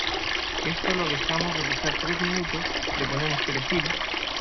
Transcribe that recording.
esto lo dejamos reposar tres minutos, le ponemos perejil